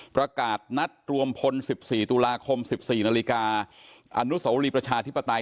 ประกาศนัดรวมพลสิบสี่ตุลาคมสิบสี่นาฬิกาอนุสโสรีประชาธิปไตย